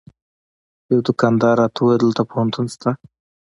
یوه دوکاندار راته وویل دلته پوهنتون شته.